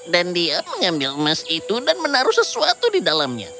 dia mengambil emas itu dan menaruh sesuatu di dalamnya